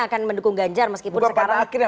akan mendukung ganjar meskipun sekarang